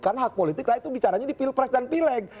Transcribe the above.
karena hak politik lah itu bicaranya di pilpres dan pileg